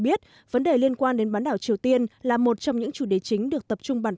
biết vấn đề liên quan đến bán đảo triều tiên là một trong những chủ đề chính được tập trung bàn